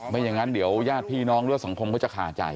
ไม่อย่างนั้นเดี๋ยวญาติพี่น้องหรือสังคมก็จะคาใจ